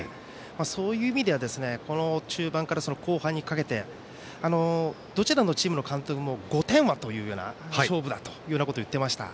そういう意味ではこの中盤から後半にかけてどちらのチームの監督も５点は、というような勝負だと言っていました。